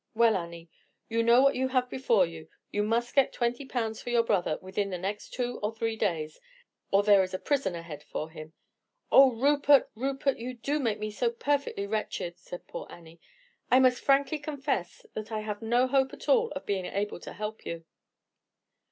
Well, Annie, you know what you have before you. You must get twenty pounds for your brother within the next two or three days, or there is a prison ahead of him." "Oh, Rupert! Rupert! you do make me so perfectly wretched," said poor Annie. "I must frankly confess that I have no hope at all of being able to help you."